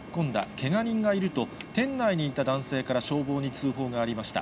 けが人がいると、店内にいた男性から消防に通報がありました。